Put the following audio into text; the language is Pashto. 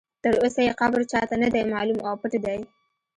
تر اوسه یې قبر چا ته نه دی معلوم او پټ دی.